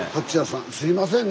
すいませんね